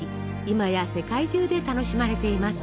今や世界中で楽しまれています。